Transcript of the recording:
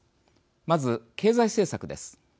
まず経済政策です。